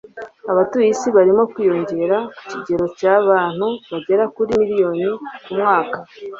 Abatuye isi barimo kwiyongera ku kigero cyabantu bagera kuri miliyoni ku mwaka